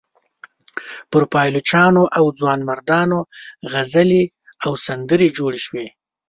پر پایلوچانو او ځوانمردانو غزلې او سندرې جوړې شوې.